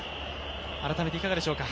改めて、いかがでしょうか。